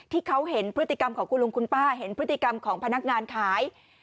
ที่เขาเห็นพฤติกรรมของคุณลุงคุณป้าเห็นพฤติกรรมของพนักงานขาย